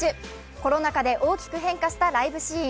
コロナ禍で大きく変化したライブシーン。